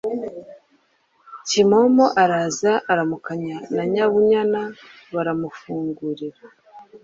Kimomo araza aramukanya na Nyabunyana baramufungurira.